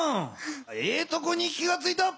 ええとこに気がついた。